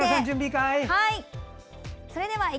はい！